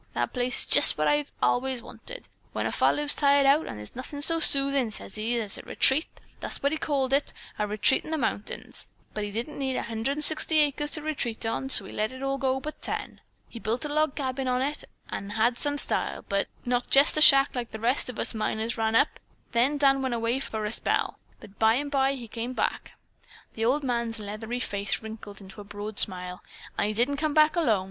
That place is jest what I've allays wanted. When a fellow's tired out, there's nothin' so soothin',' sez he, 'as a retreat,' that's what he called it, 'a retreat in the mountains.' But he didn't need 160 acres to retreat on, so he let go all but ten. He'd built a log cabin on it that had some style, not jest a shack like the rest of us miners run up, then Dan went away for a spell but by and by he come back." The old man's leathery face wrinkled into a broad smile. "An' he didn't come back alone!